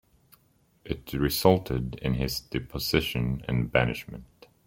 It resulted in his deposition and banishment.